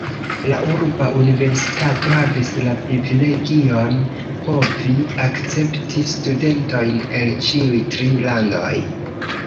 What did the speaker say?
La urba universitato havis la privilegion povi akcepti studentojn el ĉiuj tri landoj.